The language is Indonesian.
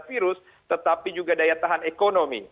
virus tetapi juga daya tahan ekonomi